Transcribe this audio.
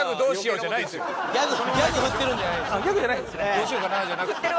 どうしようかなじゃなくて。